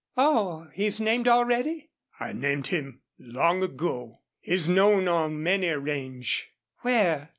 "Oh, he's named already?" "I named him long ago. He's known on many a range." "Where?"